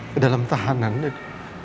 ke dalam tahanan